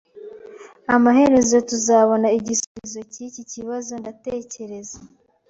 Amaherezo tuzabona igisubizo cyiki kibazo, ndatekereza